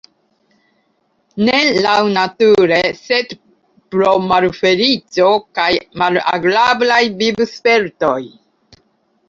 Ne laŭnature, sed pro malfeliĉo kaj malagrablaj vivspertoj.